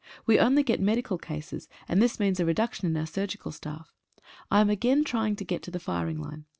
We only get medical cases, and this means a reduction in our surgical staff. I am again try ing to get to the firing line.